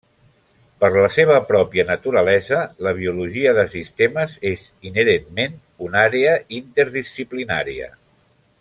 Per la seva pròpia naturalesa, la biologia de sistemes és inherentment una àrea interdisciplinària.